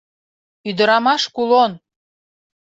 — Ӱдырамаш кулон!